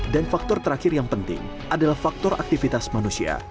dan faktor terakhir yang penting adalah faktor aktivitas manusia